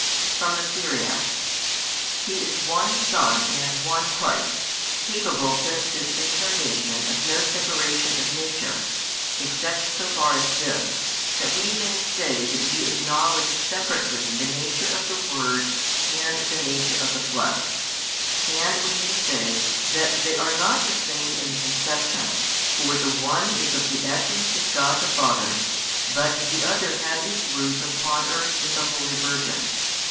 (From the Syriac.) [He is One Son and One Christ, capable since His |147 Incarnation of no separation of Nature,] except so far as this, that we may say that we acknowledge separately the Nature of the Word and [the nature] of the flesh. And [we may say] that they are not the same in conception, for the one is of the Essence of God the Father, but the other had its root upon earth in the holy Virgin.